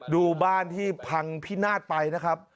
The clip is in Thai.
ดูบ้านที่พังพินาศไปนะครับ